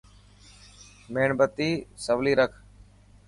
ميڻ بتي سولي رک.